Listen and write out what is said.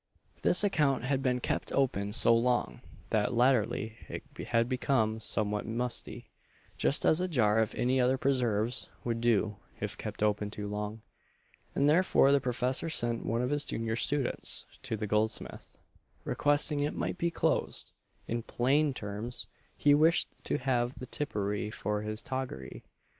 This account had been kept open so long, that latterly, it had become "somewhat musty" just as a jar of any other preserves would do if kept open too long; and therefore the professor sent one of his junior students to the goldsmith, requesting it might be closed in plain terms, he wished to have the "tippery" for his "toggery."